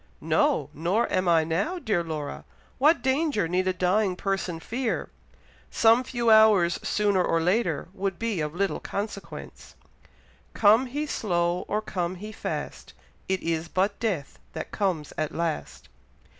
"No! nor am I now, dear Laura. What danger need a dying person fear? Some few hours sooner or later would be of little consequence Come he slow, or come he fast, It is but death that comes at last.